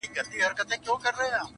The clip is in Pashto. ستا د حُسن د الهام جام یې څښلی-